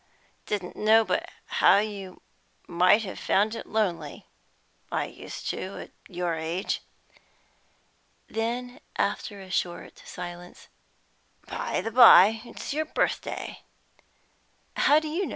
Didn't know but you might have found it lonely; I used to, at your age." Then, after a short silence "By the by, it's your birthday." "How do you know?"